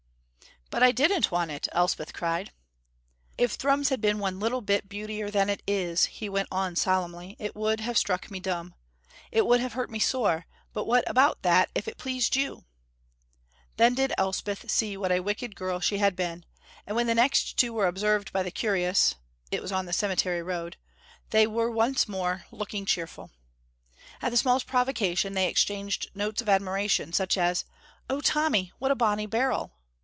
"But I didn't want it!" Elspeth cried. "If Thrums had been one little bit beautier than it is," he went on solemnly, "it would have struck me dumb. It would have hurt me sore, but what about that, if it pleased you!" Then did Elspeth see what a wicked girl she had been, and when next the two were observed by the curious (it was on the cemetery road), they were once more looking cheerful. At the smallest provocation they exchanged notes of admiration, such as, "Oh, Tommy, what a bonny barrel!"